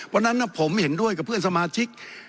วันนั้นผมเห็นด้วยกับเพื่อนสมาชิก